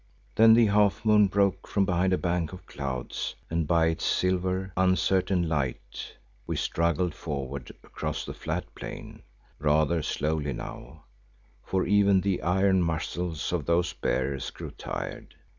Then the half moon broke from behind a bank of clouds and by its silver, uncertain light we struggled forward across the flat plain, rather slowly now, for even the iron muscles of those bearers grew tired.